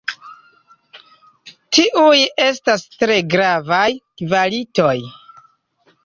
Tiuj estas tre gravaj kvalitoj.